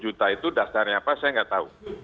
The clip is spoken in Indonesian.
lima juta itu dasarnya apa saya nggak tahu